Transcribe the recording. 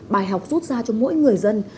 bài học rút ra cho mỗi người dân